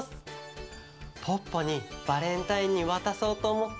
ポッポにバレンタインにわたそうとおもって。